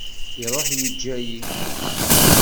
Iruḥ yeǧǧa-i.